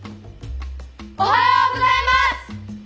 おはようございます！